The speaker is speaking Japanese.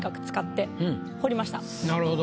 なるほど。